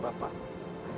bapak berterima kasih